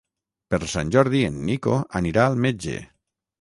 Per Sant Jordi en Nico anirà al metge.